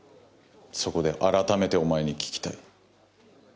そこで改めてお前に聞きたい。